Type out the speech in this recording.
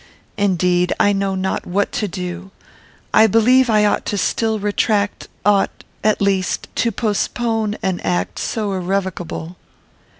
Indeed, I know not what to do. I believe I ought still to retract ought, at least, to postpone an act so irrevocable."